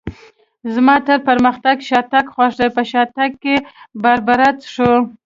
زما تر پرمختګ شاتګ خوښ دی، په شاتګ کې باربرا څښو.